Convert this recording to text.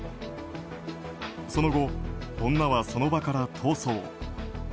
その後、女はその場から逃走。